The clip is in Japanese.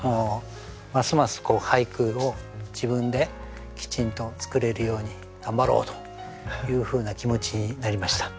ますます俳句を自分できちんと作れるように頑張ろうというふうな気持ちになりました。